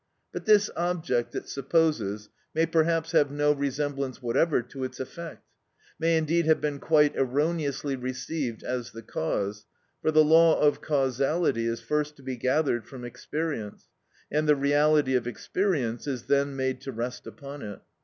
But this object, it supposes, may perhaps have no resemblance whatever to its effect, may indeed have been quite erroneously received as the cause, for the law of causality is first to be gathered from experience, and the reality of experience is then made to rest upon it.